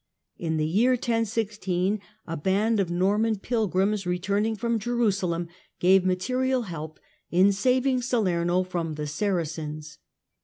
In the year 1016 a band of Norman pilgrims, returning from Jerusalem, gave material help in saving Salerno from the Saracens.